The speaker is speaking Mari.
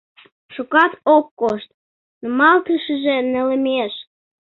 Шукат ок кошт — нумалтышыже нелемеш.